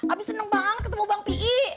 abis seneng banget ketemu bang p i